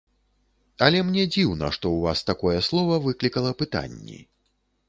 Але мне дзіўна, што ў Вас такое слова выклікала пытанні.